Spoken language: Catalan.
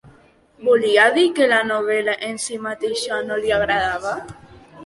¿Volia dir que la novel·la en si mateixa no li agradava?